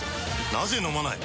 なぜ飲まない？